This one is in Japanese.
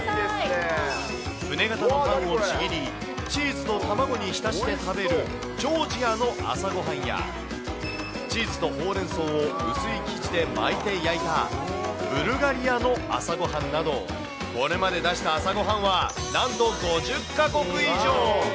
船形のパンをちぎり、チーズと卵に浸して食べる、ジョージアの朝ごはんや、チーズとホウレンソウをうすい生地で巻いて焼いた、ブルガリアの朝ごはんなど、これまで出した朝ごはんは、なんと５０か国以上。